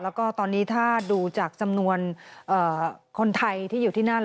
แล้วก็ตอนนี้ถ้าดูจากจำนวนคนไทยที่อยู่ที่นั่น